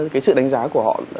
cái sự đánh giá của họ